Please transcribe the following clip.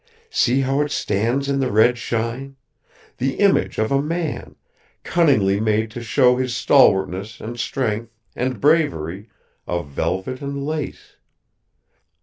See how it stands in the red shine: the image of a man, cunningly made to show his stalwartness and strength and bravery of velvet and lace!